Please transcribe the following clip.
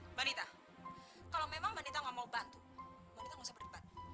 mbak nita kalau memang mbak nita tidak mau bantu mbak nita tidak usah berdebat